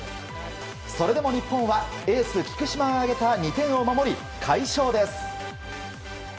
それでも日本はエース、菊島が挙げた２点を守り快勝です。